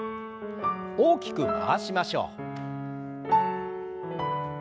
大きく回しましょう。